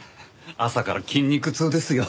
朝から筋肉痛ですよ。